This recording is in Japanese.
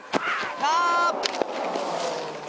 ああ！